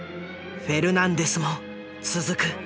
フェルナンデスも続く。